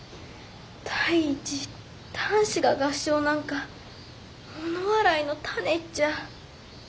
第一男子が合唱なんか物笑いのタネっちゃ。